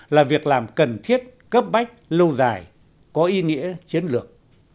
là việc làm cần thiết cấp bách lâu dài có ý nghĩa chiến lược